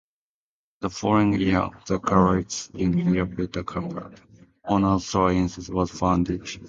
The following year, the college's Phi Beta Kappa Honors Society was founded.